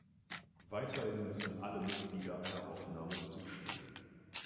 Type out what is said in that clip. Weiterhin müssen alle Mitglieder einer Aufnahme zustimmen.